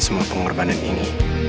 semua pengorbanan ini